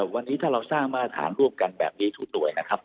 วันนี้ถ้าเราสร้างมาตรฐานรวบกันแบบนี้ถูกตัวอย่าง